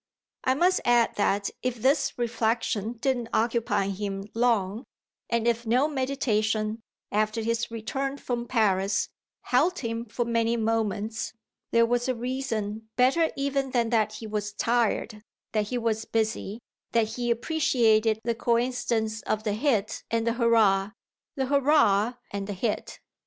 I must add that if this reflexion didn't occupy him long, and if no meditation, after his return from Paris, held him for many moments, there was a reason better even than that he was tired, that he was busy, that he appreciated the coincidence of the hit and the hurrah, the hurrah and the hit.